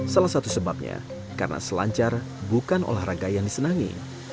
salah satu sebabnya karena selancar bukan olahraga yang disenangi